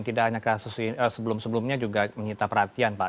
tidak hanya kasus sebelum sebelumnya juga menyita perhatian pak